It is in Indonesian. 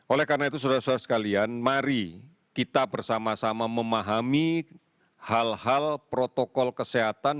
oleh karena itu saudara saudara sekalian mari kita bersama sama memahami hal hal protokol kesehatan